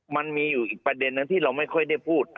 มันมีอยู่อีกประเด็นนึงที่เราไม่ค่อยได้พูด